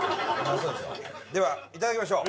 では、いただきましょう。